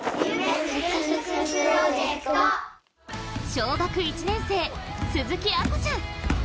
小学１年生、鈴木愛虹ちゃん。